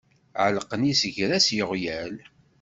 Ɛellqen isegras yeɣyal.